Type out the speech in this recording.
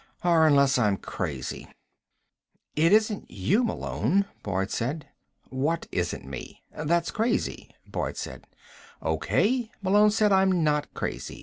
Or unless I'm crazy." "It isn't you, Malone," Boyd said. "What isn't me?" "That's crazy," Boyd said. "O.K.," Malone said. "I'm not crazy.